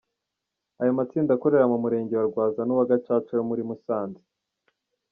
Ayo matsinda akorera mu Murenge wa Rwaza n’uwa Gacaca yo muri Musanze.